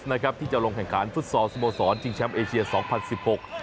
ชนบุรีบลูเวฟที่จะลงแห่งขาลฟุตซอสโมสรชิงช้ำเอเชียร์๒๐๑๖